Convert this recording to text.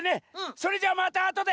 それじゃあまたあとで！